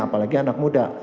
apalagi anak muda